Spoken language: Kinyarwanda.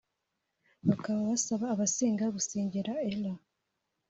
Bakaba basaba abasenga gusengera Ella